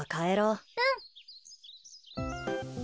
うん。